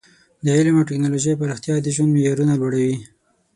د علم او ټکنالوژۍ پراختیا د ژوند معیارونه لوړوي.